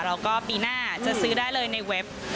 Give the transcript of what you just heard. แล้วก็ปีหน้าจะซื้อได้เลยในเว็บ